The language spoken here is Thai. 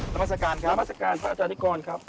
นามัศกาลครับนามัศกาลพระอาจารย์นิกรครับ